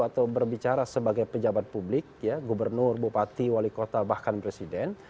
atau berbicara sebagai pejabat publik gubernur bupati wali kota bahkan presiden